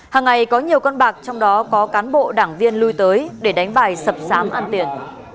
hàng ngày có nhiều con bạc trong đó có cán bộ đảng viên lui tới để đánh bài sập sám ăn tiền